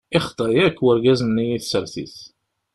Yexḍa akk wergaz-nni i tsertit.